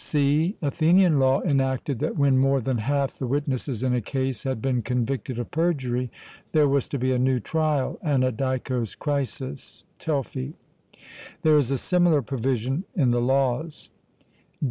(c) Athenian law enacted that when more than half the witnesses in a case had been convicted of perjury, there was to be a new trial (anadikos krisis Telfy). There is a similar provision in the Laws.